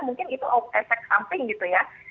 mungkin itu efek samping gitu ya